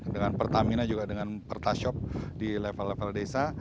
dengan pertamina juga dengan pertashop di level level desa